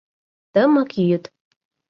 Тымык йӱд.